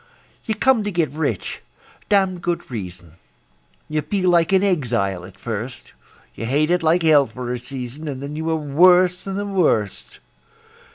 You come to get rich (damned good reason); You feel like an exile at first; You hate it like hell for a season, And then you are worse than the worst.